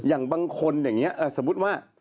อย่างบางคนอย่างนี้สมมุติว่า